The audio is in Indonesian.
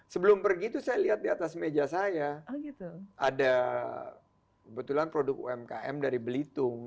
sebelum pergi itu saya lihat di atas meja saya ada kebetulan produk umkm dari belitung